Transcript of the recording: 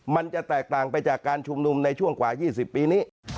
มันจะแตกต่างไปจากการชุมนุมในช่วงกว่า๒๐ปีนี้